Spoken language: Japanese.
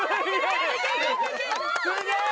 すげえ！